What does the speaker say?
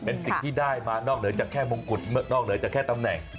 เป็นสิ่งที่ได้มานอกเหนือจากแค่มงกุฎนอกเหนือจากแค่ตำแหน่ง